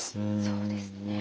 そうですね。